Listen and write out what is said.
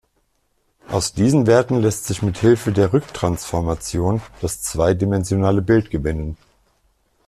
Aus diesen Werten lässt sich mit Hilfe der Rücktransformation das zweidimensionale Bild gewinnen.